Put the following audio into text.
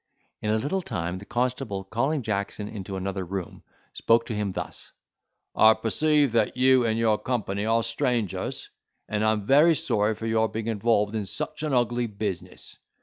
In a little time the constable, calling Jackson into another room, spoke to him thus: "I perceive that you and your company are strangers, and am very sorry for your being involved in such an ugly business.